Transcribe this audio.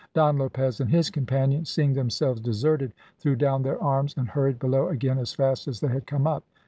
Don Lopez and his companions, seeing themselves deserted, threw down their arms and hurried below again as fast as they had come up.